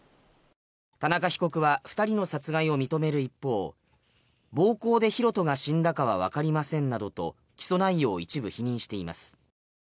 田中被告は２人の殺害を認める一方暴行で大翔が死んだかはわかりませんなどと起訴内容を一部否認しています。